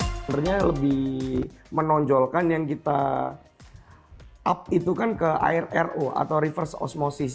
sebenarnya lebih menonjolkan yang kita up itu kan ke air ro atau reverse osmosis